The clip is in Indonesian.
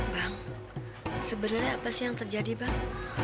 bang sebenarnya apa sih yang terjadi bang